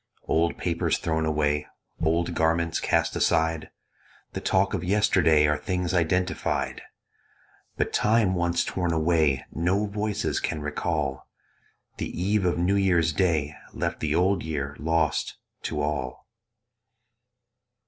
Old papers thrown away, Old garments cast aside, The talk of yesterday, Are things identified; But time once torn away No voices can recall: The eve of New Year's Day Left the Old Year lost to all.